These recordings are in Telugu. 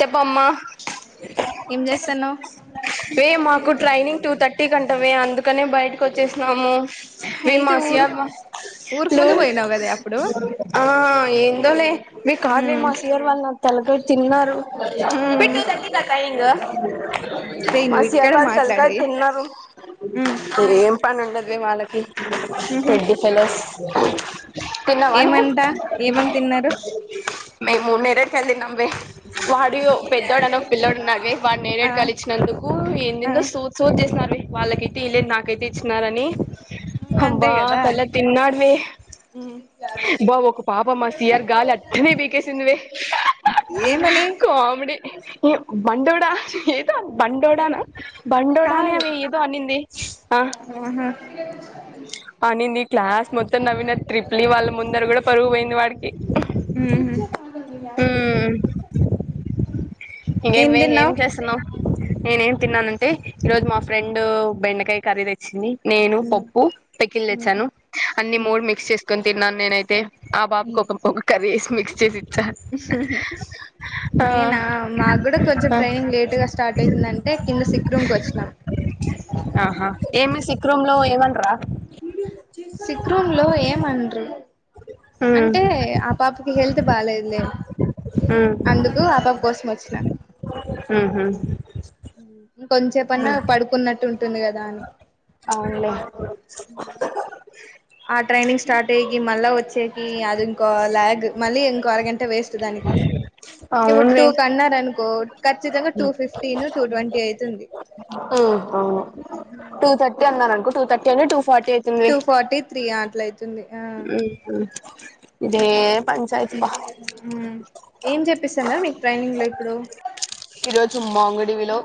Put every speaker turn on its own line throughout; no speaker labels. చెప్పమ్మా
ఏం చేస్తాన్నావ్
వే మాకు ట్రైనింగ్ టూ థర్టీ కి అంటావే అందుకనే బయటకు వచ్చేసినము వే
అయితే ఊరు
మాసయా బ
ఊరుకు
హలో
ముందు పోయినావు కదా అప్పుడు
ఆ ఏందోలే మీ కాదువే ఇయర్ వాళ్ళు నాకు తలకాయ తిన్నారు
రే నువ్వు
సర్
ఇక్కడ
వాళ్ళు తలకాయ
మాట్లాడేయి
తిన్నారు ఇ ఏం పని ఉండదు వాళ్ళకి రడ్డి ఫెలోస్ తిన్నావా నువ్వు
ఏమంట ఏమని తిన్నారు
కళ్ళినవమే వాడు పెద్దోడు అని ఒక పిల్లాడు ఉన్నారే వాడు
ఆ
నేరేడు కాయలిచ్చినందుకు
ఆ
ఎ సూ సూట్ చేసారు వాళ్ళకైతే ఇయ లేదు నాకైతే ఇచ్చినారని
అంతే
అబ్బా
కదా
తల తిన్నాడవే బా ఒక పాపమ్ మా సీయార్ గాల్ అట్టనే తీ సిందివే
ఏమని
కామెడి బండోడా ఏద బండోడానా బండోడానే
కాదు
అవి ఏదో అనింది ఆ
ఆహా
అనింది క్లాస్ మొత్తం నవ్విన ట్రిప్లీ వాళ్ళ ముందర కూడా పరువుపోయింది వాడికి
ఊహూ
ఇంకేమివే ఏం చేస్తున్నావ్ నేనే ఏం తిన్నానంటే ఈరోజు మా ఫ్రెండ్ బెండకాయ కర్రీ తెచ్చింది నేను పప్పు పికిల్ తెచ్చాను అన్ని మూడు మిక్స్ చేసుకుని తిన్నాను నేనైతే ఆ బాబుకి ఒక ఒక కర్రీ వేసి మిక్స్ చేసి ఇచ్చా
నేనా మాకు కూడా కొంచెం
ఆ
ట్రైనింగ్ లేట్ గా స్టార్ట్ అవుతుందంటే కింద సిక్రూమ్ కు వచ్చినాం
ఆహా ఏమి సిక్రూమ్ లో ఏమంత
సిక్ రూమ్ లో ఏమనరు
ఉమ్
అంటే ఆ పాపకి హెల్త్ బాలేదులే అందుకు ఆ పాప కోసం వచ్చ
ఊహూ
కొంచే సేపన్నా పడుకున్నట్టు ఉంటుంది కదా అని
అవును లే
ఆ ట్రైనింగ్ స్టార్ట్ అయ్యికి మళ్ళా వచ్చే అది ఇంకో లాగ్ మళ్ళీ ఇంకో అరగంట వేస్ట్ దానికి ఇప్పుడు టూ
అవునులే
కి అన్నారనుకో ఖచ్చితంగా టూ ఫిఫ్టీన్ టూ ట్వంటీ అయితుంది
హ్మ్ అవును టూ థర్టీ అ టూ థర్టీ ను టూ ఫార్టీ అయితుంది
టూ ఫార్టీ త్రీ అట్ల అయితుంది ఆ
ఇదే పంచాయతీ బా
మ్ ఏం చెప్పిస్తాన్నారు మీకు ట్రైనింగ్ లో ఇప్పుడు
ఈ రోజు మాంగుడివిలో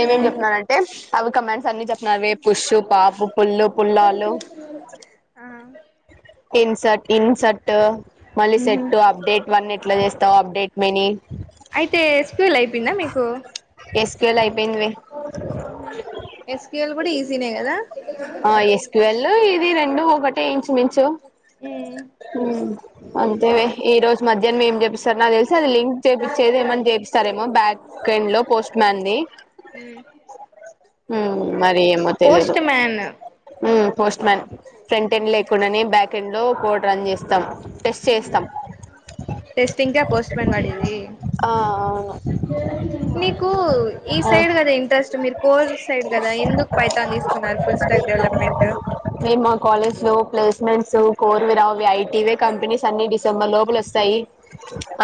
ఏమేం
మ్
చెప్తున్నారంటే అవి కమెంట్స్ అన్ని చెప్ నవే పుష్షు పాపు పుల్లు పుల్లాలు
ఆ
ఇన్సట్ ఇన్సెట్ మళ్ళీ
మ్ హు
సెట్ అప్డేట్ ఇవన్నీ ఎట్లా చేస్త త అప్డేట్ మిని
అయితే స్క్యూల్ అయిపోయిందా మీకు
ఎస్పిఎల్ అయిపోయిందివే
ఊహూ ఎస్క్యూల్ కూడా ఈజీనే కదా
ఆ ఎస్క్యూఎల్ ఇది రెండు ఒకటే ఇంచు మించు అంతేలే ఈ రోజు మధ్య మ ఏం చేప్పపిస్తారు నాకు తెలిసి అది లింక్ చేయించేది ఏమైనా చేపిస్తారేమో బ్యాక్ ఎండ్ లో పోస్ట్ మ్యాన్ది
హ్మ్
హ్మ్ మరి ఏమో తెలీదు
post man
post man front end లేకుండానే బ్యాక్ ఎండ్ లో కోడ్ రన్ చేస్తాం టెస్ట్ చేస్తాం
టెస్టింగ్కే పోస్ట్ మాన్ పడింది
ఆ అవును
మీకు ఈ సైడ్ కదా ఇంట్రెస్ట్ మీరు కోర్ సైడ్ కదా ఎందుకు పైథాన్ తీసుకు ఫుల్ స్టాక్ డెవలప్మెంట్
మీము మా కాలేజ్ లో ప్లేస్మెంట్స్ కోర్వి రా ఐవే కంపెనీస్ అన్ని డిసెంబర్ లోప లోస్ స్తాయి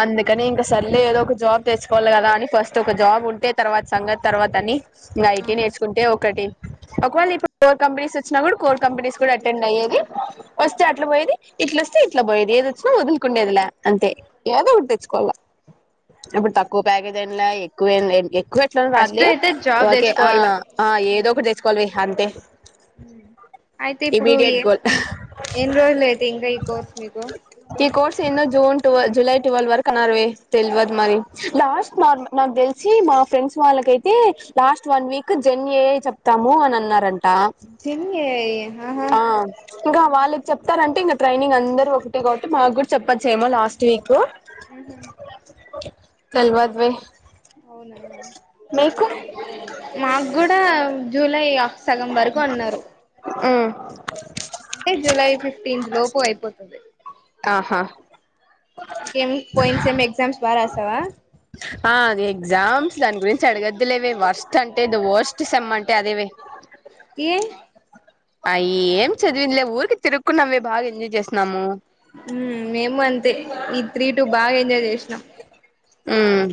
అందుకనే ఇంకా సర్లే ఏదో ఒక జాబ్ తెచ్చుకోవాలి కదా అని ఫస్ట్ ఒక జాబ్ ఉంటే తర్వాత సంగతి తర్వాత అని ఐటీ నేర్చుకుంటే ఒకటి ఒకవేళ నీకు ఫోర్ కంపెనిస్ స్ వచ్చినా కూడా కోల్ కంపెనీస్ కూడా అటెండ్ అయ్యేది వస్తే అట్లా పోయేది ఇట్లొస్తే ఇట్లా పోయేది ఏదిొచ్చినా వదులుకుండేదిలే అంతే ఏదో ఒకటి తెచ్చుకోవాలా ఇప్పుడు తక్కువ ప్యాకేజ్ అయిన లే ఎక్కువ ఎక్కువ ఎట్లాగో
ఫస్ట్
రాదులే
అయితే జాబ్
ఒకే అ
తెచ్చుకోవాల
ఆ ఏదో ఒకటి తెచ్చసుకోవాలివి అంతే
అయితే ఇప్పుడు ఏ
ఇమీడియట్ గోల్
ఎన్ని రోజులు అయితే ఇంకా ఈ కోర్స్ మీకు
ఎన్నో జూన్ టు జూలై ట్టువెల్్ వరకు అన్నారు వే తెలువదు మరి లాస్ట్ మ మాక్ తెలిసి మ మా ఫ్రెండ్స్ వాళ్ళకైతే లాస్ట్ వన్ వీక్ జర్న్ ఎఐ చెప్తాము అని అన్నారం టా
జిమ్ ఏఐ ఆహా
అ ఇంకా వాళ్ళకి చెప్తారంటే ఇంకా ట్రైనింగ్ అందరు ఒక కాబట్టి మాకు కూడా చెప్పోచ్చు ఏమో లాస్ట్ వీక్ తెల్వాద్ వే
అవునా మాకు కూడా జూలై సగం వరకు అన్నారు
మ్మ్
అంటే జూలై ఫిఫ్టీన్త్ లోపు అయిపోతది
ఆహా
ఎం పయిన సేమ్ ఎక్జామ్స్ బారాసావా
ఆ అది ఎగ్జామ్స్ దాని గురించి అడిగొద్దులేవే వర్స్ట్ అంటే ద వోస్ట్ సేమ్ అంటే అదేవే
ఏ
అ ఏం చదివిందిలే ఊరికే తిరుక్కున్నావే బాగా ఎంజాయ్ చేస్తున్నాము
మ్ మేము అంతే ఈ త్రీ టు బాగా ఎంజాయ్ చేసినాం
మ్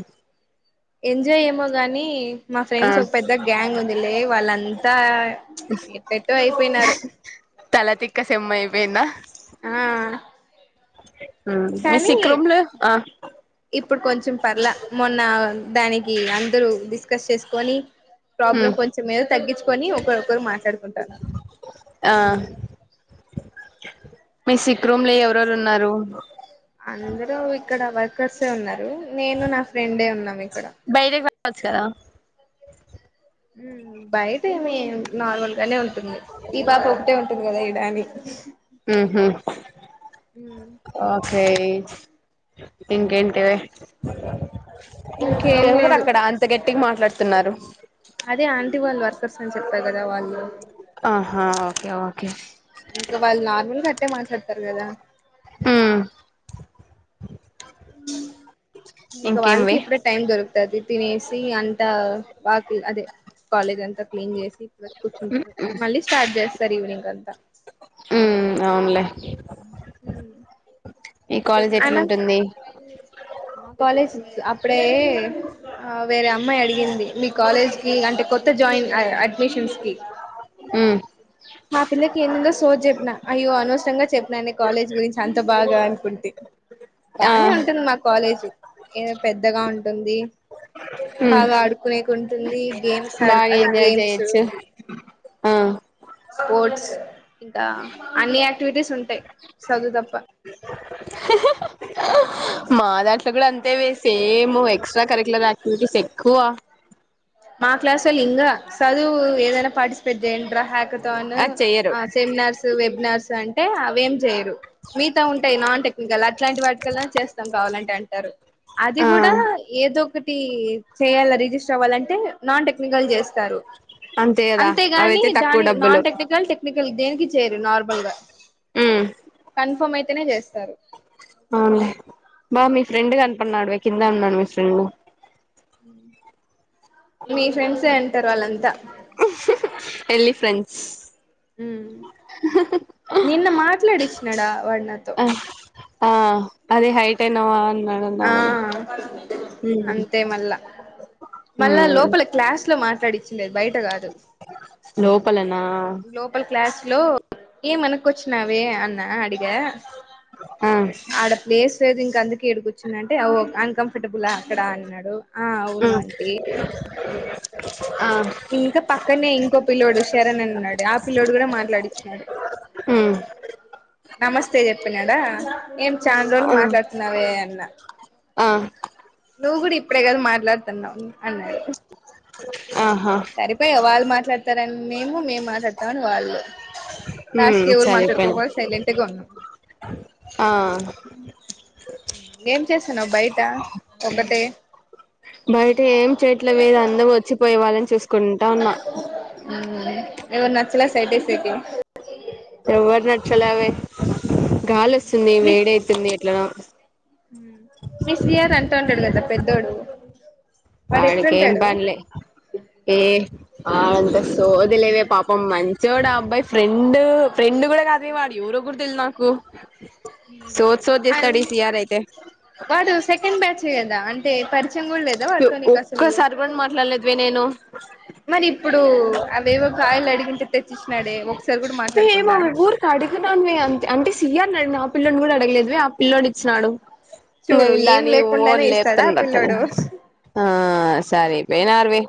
ఎంజాయ్ ఏమో గానీ మా ఫ్రెండ్స్
ఆ
ఒక పెద్ద గ్యాంగ్ ఉంది లే వాళ్ళంతా ఎటేటో అయిపోయినారు
తలతిక్క సేమైపోయింద
ఆ
మ్ మీ
కానీ
సిక్్రూమ్లు ఆ
ఇప్పుడు కొంచెం పర్లా మొన్న దానికి అందరు డీస్కస్ చేసుకొని ప్రాబ్లం కొంచెం ఏదో తగ్గించుకొని ఒకరోకరు మాట్లాడుకుంటాన్నారు
ఆ మీ సిక్్రూమ్ లో ఎవరేవరు ఉన్నారు
అందరు ఇక్కడ వర్కర్సే ఉన్నారు నేను నా ఫ్రెండే ఉన్నామి
బైటికి రావచ్చు కదా
మ్ బయట ఏమీ నార్మల్ గానే ఉంటుంది ఈ పాప ఒకటే ఉంటుంది కదా కని
మ్ హు ఓకే ఇంకేంటిే
ఇంకేం
ఎవరు
లేదు
అక్కడ అంత గట్టిగా మాట్లాడుతున్నారు
అదే ఆంటీ వాళ్ళు వర్కర్స్ అని చెపుతా కదా వాళ్ళు
ఆహా ఓకే ఓకే
ఇంకా వాళ్ళు నార్మల్ గ అట్నే మాట్లాడుతారు కదా
మ్
ఇంకా వాళ్ళకి ఇప్పుడే టైం దొరుకుతది తినేసి అంత వాకీల్ అదే కాలేజ్ అ త క్లీన్ చేసి ఇప్పుడ వచ్చి కూర్చుంటారు మళ్ళీ స్టార్ట్ చేస్తారు ఈవినింగ్ అంతా
ఉమ్ అవునులే
ఉ
ఈ కాలేజ్
అనం
ఎట్లుంటుంది
కాలజ్స్ అప్పుడే హ వేరే అమ్మాయి అడిగింది మీ కాలేజ్ కి అంటే కొత్త జాయిన్ అడ్మి మిషన్స్కి
ఉమ్
ఆ పిల్లకి ఏందేందో సోద్ జెప్పిన అయ్యో అనవసరంగా చెప్పినే కాలేజ్ గురించి అంత బాగా అనుకుంటి
ఆ
బానే ఉంటుంది మా కాలేజు ఏదో పెద్దగా ఉంటుంది
ఉమ్
బాగా ఆడుకునేకుంటుంది గేమ్స్ ఆడు
బాగా
అదే
ఎంజాయ్
గేమ్స్
చేయొచ్చు ఆ
స్పోర్ట్స్ ఇంకా అన్ని యాక్టివిటీస్ ఉంటాయి సదువు తప్ప
మా దాంట్లో కూడా అంతేవె సేమ్ ఎక్స్ట్రా కరికులర్ యాక్టివిటీస్ ఎక్కువ
మా క్లాసోలింగ సదువు ఏదైనా పార్టసిపేట్ జయాండ్రా హక తోను
అది చెయ్యరు
ఆ సెమినార్స్ వెబినార్స్ అంటే అవేం చేయరు మీగత ఉంటాయి నాన్ టెక్నికల్ అట్లాంటి వాటికల్లా చేస్తాం కావాలంటే అంటారు అది
ఆ
కూడా ఏదో ఒకటి చేయాలా రిజిస్టర్ అవ్వాలంటే నాన్ టెక్నికల్ చేస్తారు
అంతే కదా
అంతేగాని
అవైతే తక్కువ
దాని
డబ్బులు
నాన్ టెక్నికల్ టెక్నిక దేనికి చేయరు నార్మల్ గా
ఉమ్
కన్ఫర్మ్ అయితేనే చేస్తారు
అవున్లే బా మీ ఫ్రెండ్ కనపడ్న్నాడువె కింద ఉన్నాడు మీ ఫ్రెండ్
మీ ఫ్రెండ్సే అంటారు వాళ్ళంతా
ఎల్లి ఫ్రెండ్స్
ఉమ్ నిన్న మాట్లాడిచ్చినాడా వాడు నాతో
ఆ ఆ అదే హైటైనావా
ఆ అంతే మళ్ళా మళ్ళా
ఉమ్
లోపల క్లాస్ లో మాట్లాడిచ్చన్నది బయట గాదు
లోపలనా
లోపల్ క్లాస్ లో ఏం అనుకుచ్చినవే అన్ న్న అడిగ
ఆ
అడ ప్లేస్ లేదు ఇంక అందుకే ఎడుకొచ్చిందంటే ఓ అన్కంఫర్టబుల్ అక్కడ అన్నాడు ఆ
అ
అవును ఆంటీ ఇంకా పక్కనే ఇంకో పిల్లోడు శరణ్ అన్నాడు ఆ పిల్లోడు కూడా మాట్లాడిచ్చినాడు
హుం
నమస్తే చెప్పిననా ఏం చాల్ రోజులకు మాట్లాడుతున్నావే అన్నా
ఆ
నువ్వు కూడా ఇప్పుడే కద మాట్లాడుతున్నావు అన్నాడు
ఆహా
సరిపోయా వాళ్ళు మాట్లాడతారని మేము మేము మాట్లాడతామని వాళ్ళు లాస్ట్
ఉమ్
కి ఎవరు
సరిపోయినా
మాట్లాడుకోపో సైలెంట్గా ఉన్నాం
ఆ
ఏం చేస్తున్నావ్ బయట ఒకటే
బయట ఏం చేయట్లేదువే అందరూ వచ్చిపోయే వాళ్లని చూసుకుంటా ఉన్నా
ఎవరు నచ్చలే సైట్ ఏసేకి
ఎవరు నచ్చలా వే గాలేస్తుంది వేడి అయితుంది ఎట్లనో
ఉమ్ మీ సియార్ అంటంటాడు గదా పెద్దోడు వాడు ఎట్లుంటాడు
వాడికేంపనిలే ఏ ఆ అంత సోదిలేవే పాపం మంచ్ చోడా అబ్బాయి ఫ్రెండ్, ఫ్రెండ్ కూడా కాదే వాడు ఎవరో కూడా తెల్దు నాకు. సోద్ సోద్ చేస్తడు, ఈ సి ఆర్ ఐతే
వాడు సెకండ్ బ్యాచ్ కదా, అంటే పరిచయం కూడా లేదా వాడ్
ఒక్కసారి కూడా మాట్లాడలేదు వే నేను
మరి ఇప్పుడు అవేవో కాయలు అడిగితే తెచ్చి ఇచ్చినాడే ఒక్కసారి కూడా మాట్లాడకుండా.
వే అంతే అంటే సీ ఆర్ నీ అడిగిన, ఆ పిల్లోన్నీ కూడా అడగలేదు వే, ఆ పిల్లోడు ఇచ్చినాడు. ఇంగ
చూడు
వీళ్ళు
ఏం
దాన్ని ఓ
లేకుండానే
అని
ఇస్తాడా ఆ
లేపుతాన్నరు అట్లనే
పిల్లోడు
ఆ సరిపోయినారు వే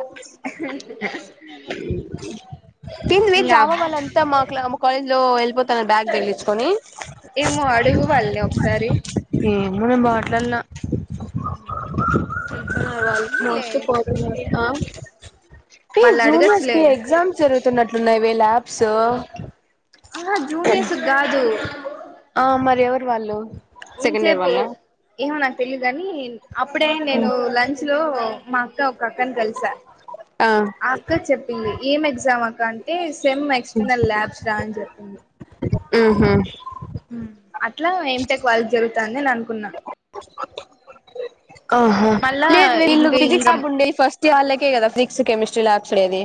తింన్నీ జావ
ఇంగా
వాళ్లంతా మా క్లా మా కాలేజీలో ఎల్పో తన బ్యాగ్ తగిలిచుకొని,
ఏమో అడుగు వాళ్ళని ఒకసారి
ఉమ్ అమ్మో నేను మాట్లాడిన
అవును
హా వాళ్లకి [unintelligible] ఉంది ఆ కి
మళ్ళ
జూనియర్స్ కి
అడగచ్చులే
ఎగ్జామ్స్ జరుగుతున్నట్లున్నాయి వే ల్యాబ్స్
ఆహా జూనియర్స్ కాదు
ఆ మరి ఎవరు వాళ్ళు?
ఇం
సెకండ్ ఇయర్
సేపు
వాళ్ళ
ఏమో నాకు తెలిదు కాని, అప్పుడే నేను లంచ్ లో మా అక్క ఒక అక్కని కలిసా, ఆ అక్క చెప్పింది ఏం ఎగ్జామ్ అక్క అంటే సేమ్ ఎక్స్టర్నల్ ల్యాబ్స్ రా అని చెప్పింది
ఉహు
అట్లా ఎం టెక్ వాల్కు జరుగుతాంది అని అన్
ఆహా
మళ్ళా
లేదు వే వీళ్లు
ఇంక
ఫిజిక్స్
ఇంగం
ల్యాబ్ ఉండే ఈ ఫస్ట్ ఆళ్లకి కే కదా ఫిజిక్స్ కెమిస్ట్రీ ల్యాబ్స్ ఉండేది.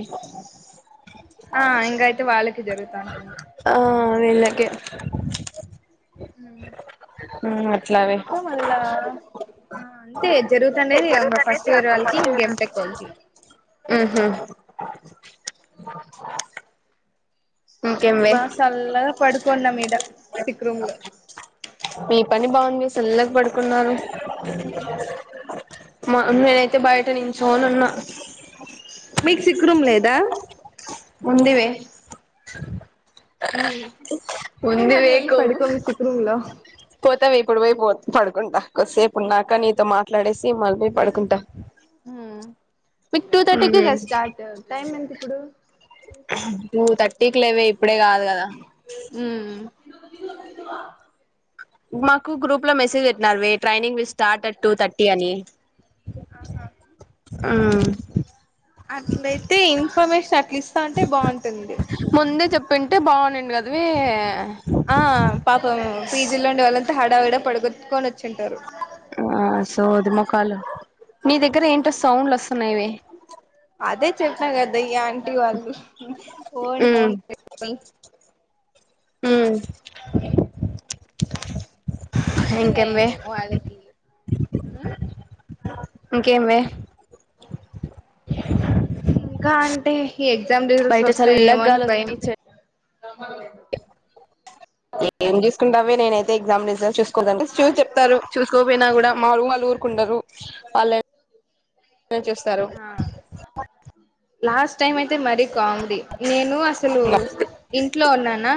ఆ ఇంగ అయితే వాళ్ళకి జరుగుతా ఉంటుంది
ఆ వీళ్ళకే
ఉమ్
ఉమ్ అట్లావే
ఇంకా మల్ల ఆ అంతే జరుగుతన్నాది ఆ ఇంగ ఫస్ట్ ఇయర్ వాళ్ళకి, ఇంకా ఎంటెక్ వాళ్ళకి
ఉహు ఇంకేం వే
బాసల్లగా పడుకోన్న మీడ
మీ పని బాగుంది. చల్లగా పడుకున్నారు, మ నేనైతే బయ ట నుంచొని ఉన్నా,
మీకు సిక్ రూమ్ లేదా
ఉందివే
ఉమ్ నువ్వు మళ్ళీ
ఉందివే
ఎళ్లి
కొవ్వు
పడుకో అమ్మ సిక్ రూమ్ లో
పోతావే ఇప్పుడు పోయి పో పడుకుంటా, కొద్దిసేపు ఉన్నాక నీతో మాట్లాడేసి మళ్లీ పడుకుంటా.
ఉమ్ మీకు టూ థర్టీకె కదా
మ్మ్
స్టార్ట్, టైమ్ ఎంత ఇప్పుడు?
టూ థర్టీకి లేవే ఇప్పుడే కాదు కదా. మాకు గ్రూప్ లో మెసేజ్ పెట్టినారు వే, training will start at two thirty అని.
ఆహా అట్లయితే ఇన్ఫర్మేషన్ అట్ల ఇస్తా అంటే బాగుంటుంది.
ముందే చెప్పింటే బావుండిండి గదీ
ఆ పాపం పీజీలో ఉండే వాళ్ళంత హడావిడ పడుగొట్టుకొనొచుంటారు
ఆ సోది మోకాలు నీ దగ్గర ఏంటో సౌండ్లు ఒస్తున్నాయివె
అదే చెప్న గదా ఈ ఆంటీ వాళ్ళు ఫోన్ ఫోన్
ఊ
యేముంది లే వాళ్ళకీ ఉమ్
ఇంకేమ్ వే
ఇంకా అంటే ఈ ఎగ్జామ్ రిజల్ట్స్
బయట చల్లగా
ఒస్తయేమో అని
గాలి
భయం
వస్తుంది చె ఏం జూస్ కుంటావే నేనైతే ఎగ్జామ్ రిజల్ట్స్ చూసుకోలేదంటే చూస్ చెప్తారు చూసుకోపోయినా గూడా మా రూం వాళ్ళు ఊరుకుంటరు వాళ్ళ ల్లే చూస్తారూ
ఆ లాస్ట్ టైం అయితే మరీ కొమడీ నేనూ అసలూ ఇంట్లో ఉన్నానా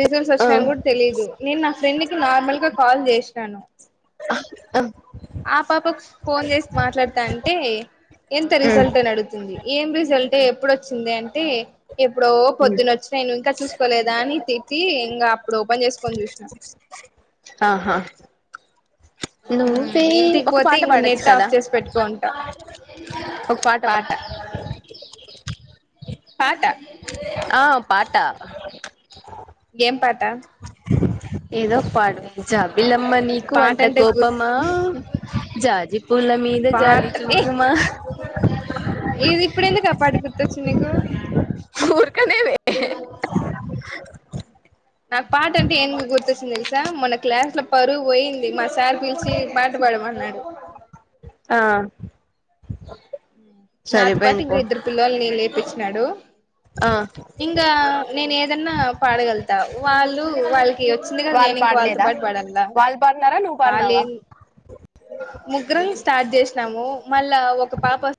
రిజల్ట్స్
ఆ
ఒచ్చినాయని గూడ తెలీదు నేను నా ఫ్రెండ్ కి నార్మల్ గా కాల్ చేశ్నను.
[unintelligible]
ఆ పాపకు ఫోన్ చేసి మాట్లాడతాంటే ఎంత
ఉమ్
రిజల్ట్ అని అడుగుతుంది ఏం రిజల్టే ఎప్పుడోచ్చిందే అంటే ఎప్పుడో
ఉమ్
పొద్దునొచ్చినయ్ నువ్ ఇంకా చూసుకోలేదా అని తిట్టీ ఇంగా అప్పుడోపన్ జేసుకొన్ చూష్ణ
ఆహా
మ్
నువ్వే
ఇంటికి
ఒక
పోతే
పాట
ఇంక
పాడొచ్చు
నెట్
కదా
ఆఫ్ చేసి పెట్టుకోంటా
ఒక పాట బ
పాట
ఆ పాట
ఏం పాట
ఏదో ఒక పాడ్వే జాబిలమ్మ నీకు
పాట
అంత
అంటే గుర్
కోపమా జాజి పూల మీద
పాట
జాలి చూ
ఏ
పుమా
ఇది ఇప్పుడెందుకా పాట గుర్తొచ్చింది నీకూ
ఊరకనేవే [inaudible]
నాకు పాటంటే ఏం గు గుర్తొస్తుంది తెలుసా మొన్న క్లాస్ లో పరువు పోయింది మా సార్ పిలిచి పాట పాడమ న్నాడు
ఆ
నాతో పాటు
సరిపోయింది
ఇంకా
పో
ఇద్దరు పిల్లవాల్లనీ లేపిచ్చినాడూ.
ఆ
ఇంగా నేను ఏదన్నా పాడగలుతా వాళ్ళు వాళ్ళ కి ఒచ్చింది గదా
వాళ్ళు
నేను ఇంక వాళ్ళతో
పాడలేదా
పాటు పాడలా
వాళ్ళు పాడినారా నువ్వు పాడినావా
వాల్లేం ముగ్గురం స్టార్ట్ జేసినాము మళ్ళా ఒక పాప